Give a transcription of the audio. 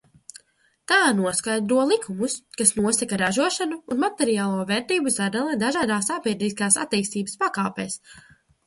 Tā noskaidro likumus, kas nosaka ražošanu un materiālo vērtību sadali dažādās sabiedrības attīstības pakāpēs.